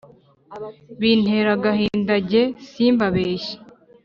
bintera agahinda jye simbabeshye